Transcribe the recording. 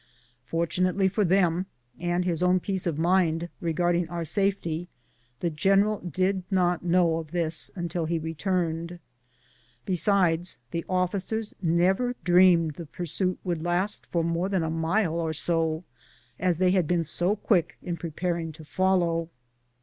Fortunately for them, and his own peace of mind regarding our safety, the general did not know of this until he returned. Besides, the offi cers never dreamed the pursuit would last for more than a mile or so, as they had been so quick in pre paring to follow.